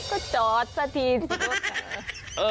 ก็จอดสักทีสิครับเธอ